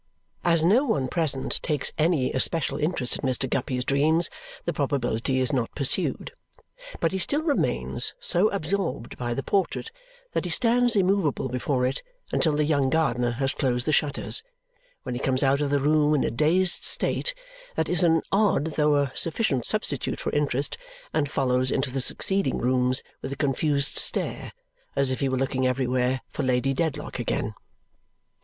As no one present takes any especial interest in Mr. Guppy's dreams, the probability is not pursued. But he still remains so absorbed by the portrait that he stands immovable before it until the young gardener has closed the shutters, when he comes out of the room in a dazed state that is an odd though a sufficient substitute for interest and follows into the succeeding rooms with a confused stare, as if he were looking everywhere for Lady Dedlock again.